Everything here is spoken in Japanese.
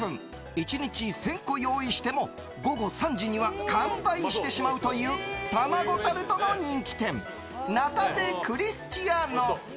１日１０００個用意しても午後３時には完売してしまうという卵タルトの人気店ナタ・デ・クリスチアノ。